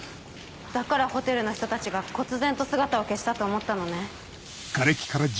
だからホテルの人たちがこつぜんと姿を消したと思ったのね。